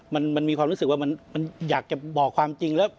มันมีความรู้สึกว่ามันอยากจะบอกความจริงแล้ว